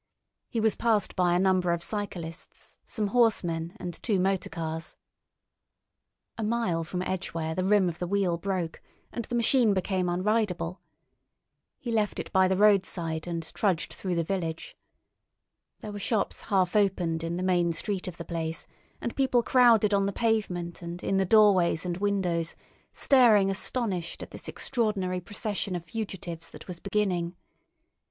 He was passed by a number of cyclists, some horsemen, and two motor cars. A mile from Edgware the rim of the wheel broke, and the machine became unridable. He left it by the roadside and trudged through the village. There were shops half opened in the main street of the place, and people crowded on the pavement and in the doorways and windows, staring astonished at this extraordinary procession of fugitives that was beginning.